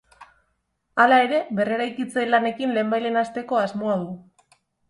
Hala ere, berreraikitze lanekin lehenbailehen hasteko asmoa du.